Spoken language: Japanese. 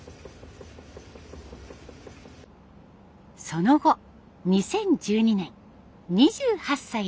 その後２０１２年２８歳で弟子入り。